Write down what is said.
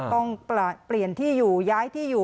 ต้องเปลี่ยนที่อยู่ย้ายที่อยู่